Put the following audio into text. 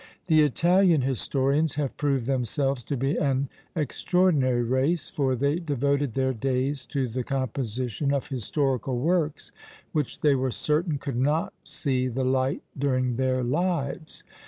The Italian historians have proved themselves to be an extraordinary race, for they devoted their days to the composition of historical works which they were certain could not see the light during their lives!